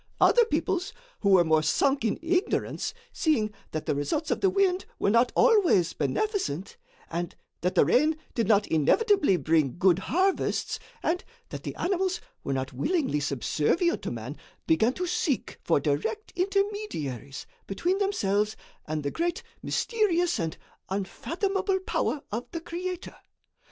Other peoples, who were more sunk in ignorance, seeing that the results of the wind were not always beneficent, and that the rain did not inevitably bring good harvests, and that the animals were not willingly subservient to man, began to seek for direct intermediaries between themselves and the great mysterious and unfathomable power of the Creator.